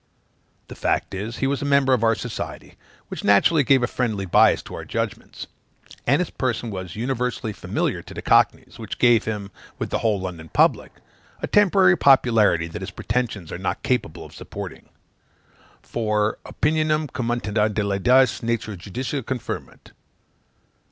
The fact is, he was a member of our society, which naturally gave a friendly bias to our judgments; and his person was universally familiar to the cockneys, which gave him, with the whole London public, a temporary popularity, that his pretensions are not capable of supporting; for opinionum commenta delet dies, naturæ judicia confirmat.